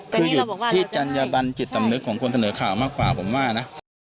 คืออยู่ที่จัญญบันจิตสำนึกของคนเสนอข่าวมากกว่าผมว่านะ